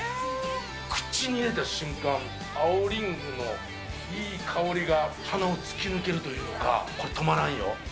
口に入れた瞬間、青リンゴのいい香りが鼻を突き抜けるというか、これ、止まらんよ。